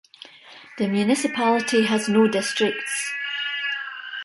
The municipality has no districts.